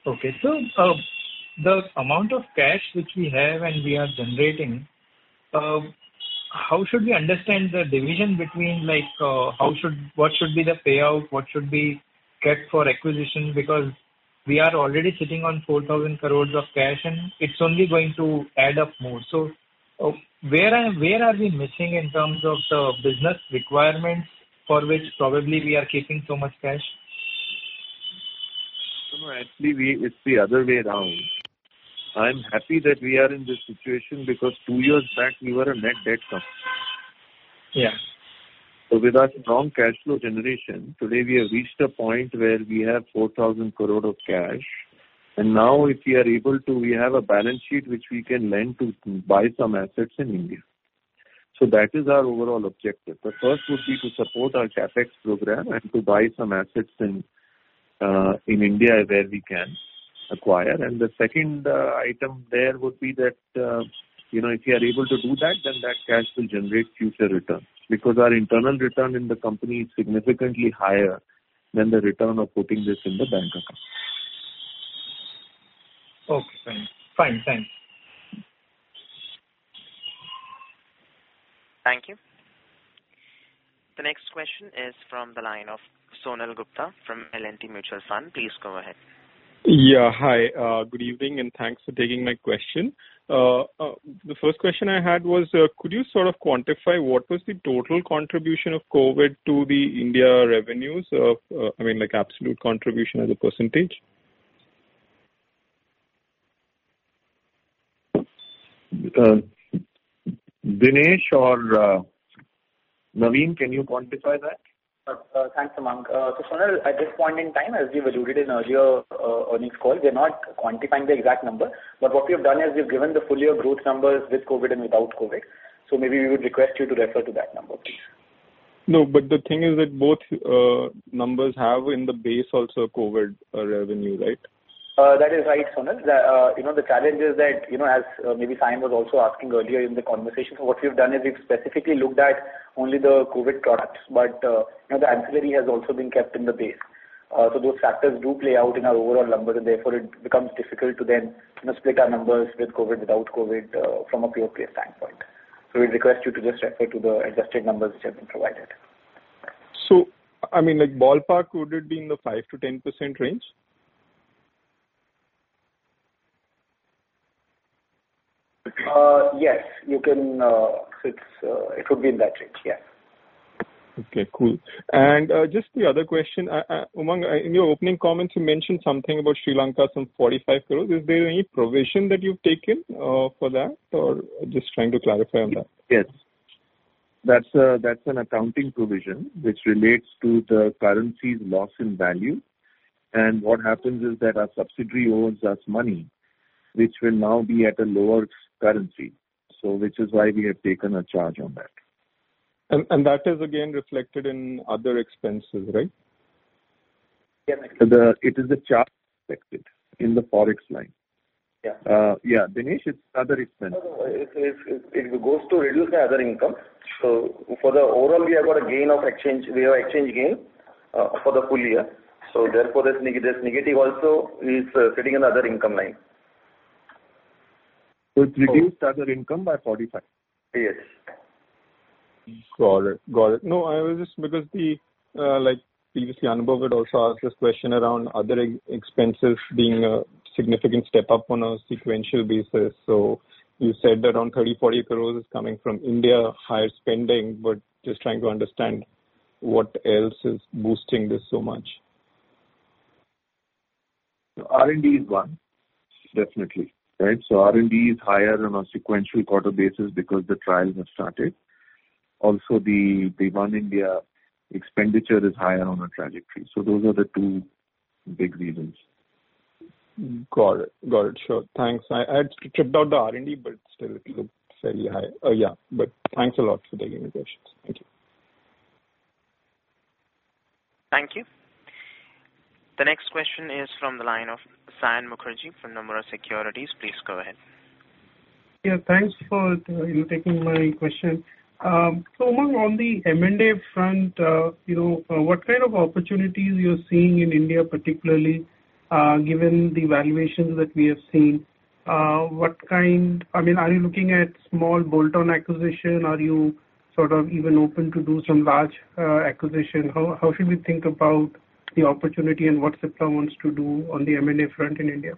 The amount of cash which we have and we are generating, how should we understand the division between, like, what should be the payout, what should be kept for acquisition? Because we are already sitting on 4,000 crore of cash, and it's only going to add up more. Where are we missing in terms of the business requirements for which probably we are keeping so much cash? No, no, actually, it's the other way around. I'm happy that we are in this situation because two years back we were a net debt company. Yeah. With our strong cash flow generation, today we have reached a point where we have 4,000 crore of cash and now if we are able to, we have a balance sheet which we can lend to buy some assets in India. That is our overall objective. The first would be to support our CapEx program and to buy some assets in India where we can acquire. The second item there would be that, you know, if we are able to do that, then that cash will generate future returns. Because our internal return in the company is significantly higher than the return of putting this in the bank account. Okay, fine. Fine. Thanks. Thank you. The next question is from the line of Sonal Gupta from L&T Mutual Fund. Please go ahead. Yeah, hi. Good evening and thanks for taking my question. The first question I had was, could you sort of quantify what was the total contribution of COVID to the India revenues of, I mean, like absolute contribution as a percentage? Dinesh or, Naveen, can you quantify that? Thanks, Umang. Sonal, at this point in time, as we've alluded in earlier earnings call, we're not quantifying the exact number. What we have done is we've given the full year growth numbers with COVID and without COVID, so maybe we would request you to refer to that number, please. No, the thing is that both numbers have in the base also COVID revenue, right? That is right, Sonal. You know, the challenge is that, you know, as maybe Saim was also asking earlier in the conversation. What we've done is we've specifically looked at only the COVID products, but, you know, the ancillary has also been kept in the base. Those factors do play out in our overall number and therefore it becomes difficult to then, you know, split our numbers with COVID, without COVID, from a pure play standpoint. We request you to just refer to the adjusted numbers which have been provided. I mean, like ballpark, would it be in the 5%-10% range? Yes. You can. It would be in that range, yeah. Okay, cool. Just the other question. Umang, in your opening comments you mentioned something about Sri Lanka, some 45 crore. Is there any provision that you've taken for that? Or just trying to clarify on that. Yes. That's an accounting provision which relates to the currency's loss in value. What happens is that our subsidiary owes us money, which will now be at a lower currency, so which is why we have taken a charge on that. That is again reflected in other expenses, right? Yeah. It is a charge reflected in the Forex line. Yeah. Yeah. Dinesh, it's other expense. No, no. It goes to reduce the other income. For the overall, we have got an exchange gain, we have exchange gain, for the full year. Therefore this negative also is sitting in the other income line. It reduced other income by 45%. Yes. Got it. No, I was just because the, like previously Anubhav had also asked this question around other expenses being a significant step up on a sequential basis. You said around 30- 40 crore is coming from India, higher spending, but just trying to understand. What else is boosting this so much? R&D is one, definitely, right? R&D is higher on a sequential quarter basis because the trials have started. Also the One India expenditure is higher on our trajectory. Those are the two big reasons. Got it. Sure. Thanks. I stripped out the R&D, but still it looks very high. Yeah, but thanks a lot for taking the questions. Thank you. Thank you. The next question is from the line of Saion Mukherjee from Nomura Securities. Please go ahead. Yeah, thanks for you taking my question. So on the M&A front, you know, what kind of opportunities you're seeing in India particularly, given the valuations that we have seen? I mean, are you looking at small bolt-on acquisition? Are you sort of even open to do some large acquisition? How should we think about the opportunity and what Cipla wants to do on the M&A front in India?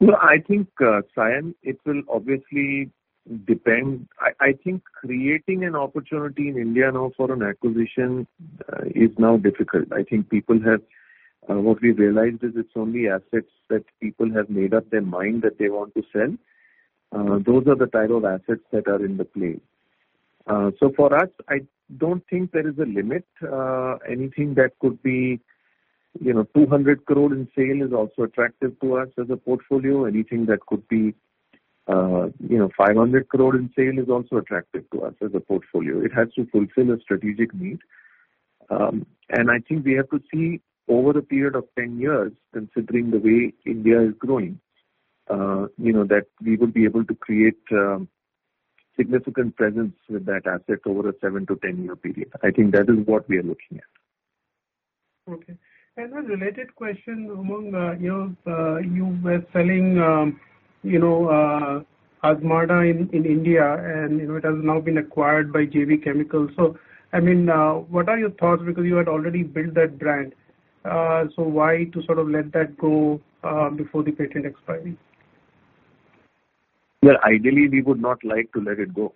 No, I think, Saion, it will obviously depend. I think creating an opportunity in India now for an acquisition is now difficult. I think what we realized is it's only assets that people have made up their mind that they want to sell. Those are the type of assets that are in play. For us, I don't think there is a limit. Anything that could be, you know, 200 crore in sales is also attractive to us as a portfolio. Anything that could be, you know, 500 crore in sales is also attractive to us as a portfolio. It has to fulfill a strategic need. I think we have to see over a period of 10 years, considering the way India is growing, you know, that we would be able to create significant presence with that asset over a seven to 10-year period. I think that is what we are looking at. Okay. As a related question, Umang, you know, you were selling, you know, Azmarda in India and, you know, it has now been acquired by JB Chemicals. I mean, what are your thoughts? Because you had already built that brand. Why to sort of let that go before the patent expiry? Well, ideally we would not like to let it go.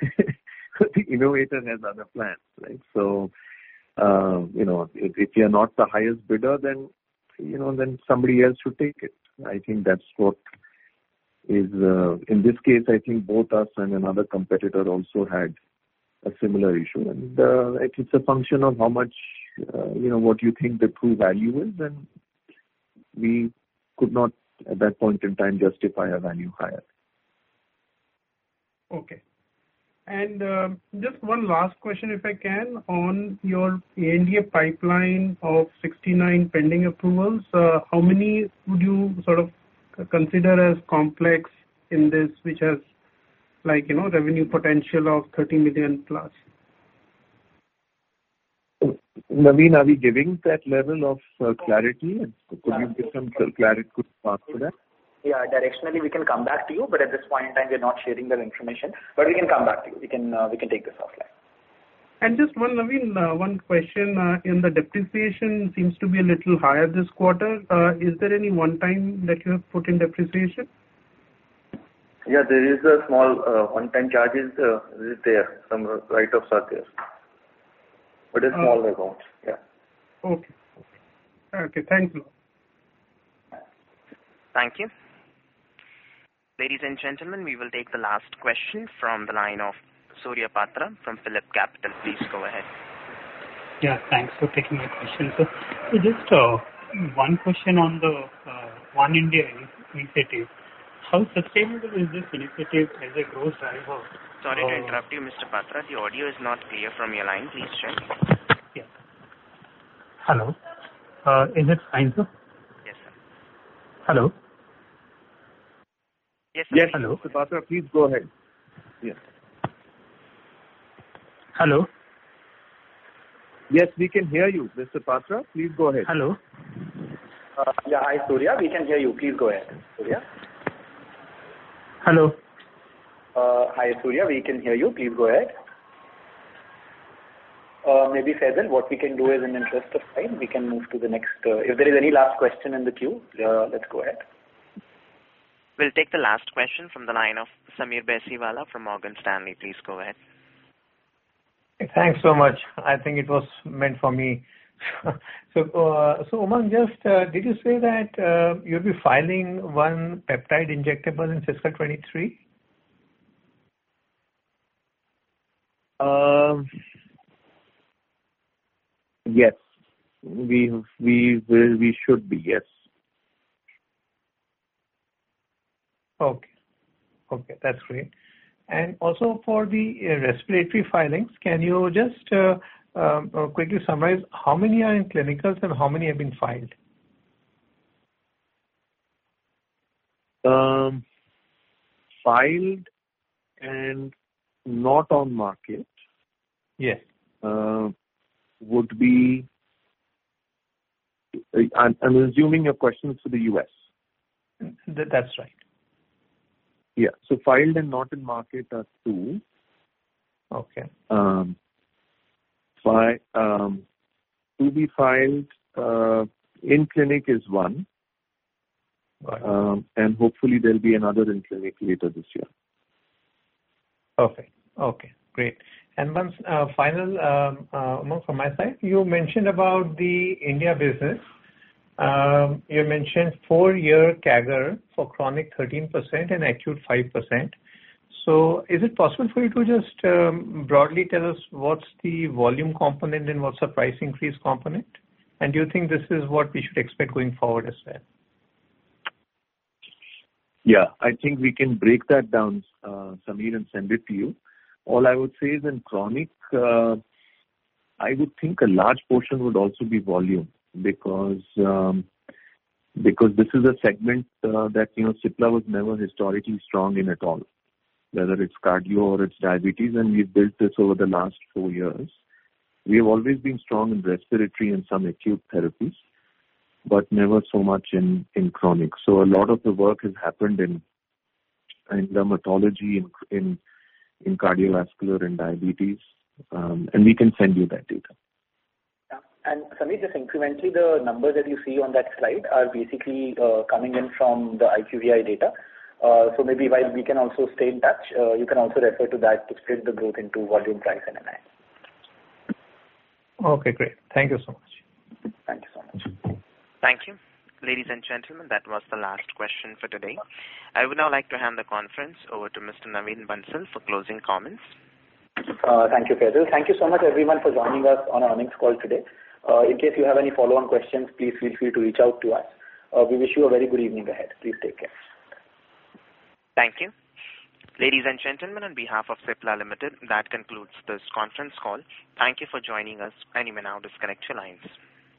The innovator has other plans, right? You know, if you're not the highest bidder then, you know, then somebody else should take it. I think that's what is. In this case, I think both us and another competitor also had a similar issue. It's a function of how much, you know, what you think the true value is, and we could not, at that point in time, justify a value higher. Okay. Just one last question, if I can, on your India pipeline of 69 pending approvals. How many would you sort of consider as complex in this, which has like, you know, revenue potential of 30 million+? Naveen, are we giving that level of clarity? Could talk to that? Yeah. Directionally we can come back to you, but at this point in time we're not sharing that information. But we can come back to you. We can, we can take this offline. Just one, Naveen, one question, the depreciation seems to be a little higher this quarter. Is there any one-time that you have put in depreciation? Yeah, there is a small one-time charges is there. Some write-offs are there. A small amount. Yeah. Okay. Thank you. Thank you. Ladies and gentlemen, we will take the last question from the line of Surya Patra from PhillipCapital. Please go ahead. Yeah, thanks for taking my question, sir. Just one question on the One India initiative. How sustainable is this initiative as a growth driver for- Sorry to interrupt you, Mr. Patra. The audio is not clear from your line. Please check. Yeah. Hello. Is it fine, sir? Yes, sir. Hello. Yes, sir. Yes, Mr. Patra, please go ahead. Yes. Hello. Yes, we can hear you, Mr. Patra. Please go ahead. Hello. Yeah. Hi, Surya. We can hear you. Please go ahead, Surya. Hello. Hi, Surya. We can hear you. Please go ahead. Maybe, Faizal, what we can do is in interest of time, we can move to the next. If there is any last question in the queue, let's go ahead. We'll take the last question from the line of Sameer Baisiwala from Morgan Stanley. Please go ahead. Thanks so much. I think it was meant for me. Umang, just did you say that you'll be filing one peptide injectable in fiscal 2023? Yes. We will. We should be, yes. Okay, that's great. Also for the respiratory filings, can you just quickly summarize how many are in clinicals and how many have been filed? Filed and not on market. Yes I'm assuming your question is for the U.S.. That's right. Filed and not in market are two. Okay. To be filed in clinic is one. Hopefully there'll be another in clinic later this year. Perfect. Okay, great. One final one from my side. You mentioned about the India business. You mentioned four-year CAGR for chronic 13% and acute 5%. Is it possible for you to just broadly tell us what's the volume component and what's the price increase component? Do you think this is what we should expect going forward as well? Yeah, I think we can break that down, Sameer, and send it to you. All I would say is in chronic, I would think a large portion would also be volume because this is a segment that, you know, Cipla was never historically strong in at all, whether it's cardio or it's diabetes, and we've built this over the last four years. We have always been strong in respiratory and some acute therapies, but never so much in chronic. A lot of the work has happened in dermatology, in cardiovascular and diabetes, and we can send you that data. Yeah. Sameer, just incrementally, the numbers that you see on that slide are basically coming in from the IQVIA data. Maybe while we can also stay in touch, you can also refer to that to split the growth into volume, price, and NI. Okay, great. Thank you so much. Thank you so much. Thank you. Ladies and gentlemen, that was the last question for today. I would now like to hand the conference over to Mr. Naveen Bansal for closing comments. Thank you, Faizal. Thank you so much everyone for joining us on our earnings call today. In case you have any follow-on questions, please feel free to reach out to us. We wish you a very good evening ahead. Please take care. Thank you. Ladies and gentlemen, on behalf of Cipla Limited, that concludes this conference call. Thank you for joining us. You may now disconnect your lines.